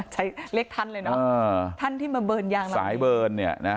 ใช้เลขท่านเลยเนอะท่านที่มาเบิร์นยางสายเบิร์นเนี่ยนะ